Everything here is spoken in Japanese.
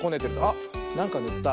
あっなんかぬった。